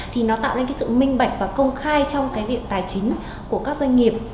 thì nó tạo nên sự minh bạch và công khai trong việc tài chính của các doanh nghiệp